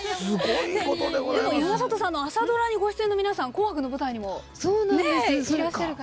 朝ドラにご出演の皆さん「紅白」の舞台にもいらっしゃるから。